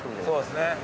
そうですね。